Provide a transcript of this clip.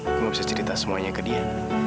aku mau bisa cerita semuanya ke dia